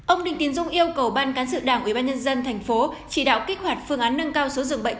ông đinh tiến dũng yêu cầu ban cán sự đảng ubnd tp chỉ đạo kích hoạt phương án nâng cao số dường bệnh